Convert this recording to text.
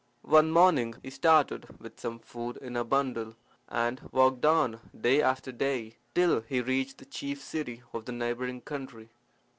One morning he started with some food in a bundle, and walked on day after day, till he reached the chief city of the neighbouring country.